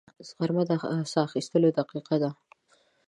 غرمه د ساه اخیستو دقیقه ده